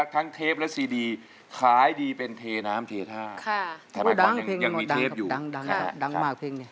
ทั้งเทปและซีดีคล้ายดีเป็นเทน้ำเททาแต่บางคนยังมีเทปอยู่